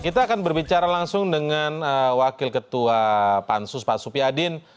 kita akan berbicara langsung dengan wakil ketua pansus pak supi adin